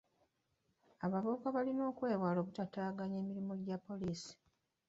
Abavubuka balina okwewala obutaataaganya emirimu gya poliisi.